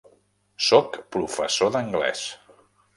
Soc professor d'anglès.